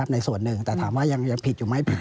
ในส่วนหนึ่งแต่ถามว่ายังผิดอยู่ไหม